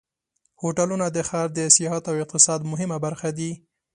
هوټلونه د ښار د سیاحت او اقتصاد مهمه برخه دي.